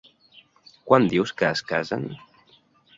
Quan dius que es casen?